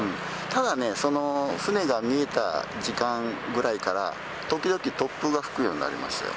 ただね、船が見えた時間ぐらいから、時々、突風が吹くようになりました。